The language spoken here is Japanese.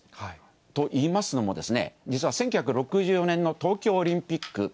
といいますのも、実は１９６４年の東京オリンピック。